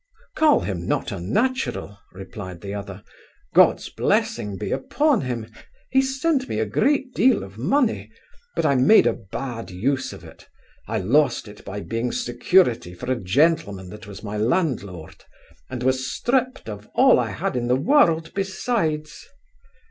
'Call him not unnatural (replied the other); God's blessing be upon him! he sent me a great deal of money; but I made a bad use of it; I lost it by being security for a gentleman that was my landlord, and was stript of all I had in the world besides.